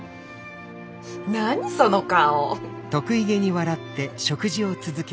何その顔。